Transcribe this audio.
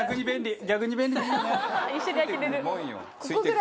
一緒に開けられる。